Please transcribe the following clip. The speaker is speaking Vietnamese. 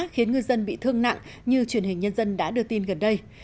khiến ngư dân bị thương nặng như truyền hình nhân dân đã đưa tin gần đây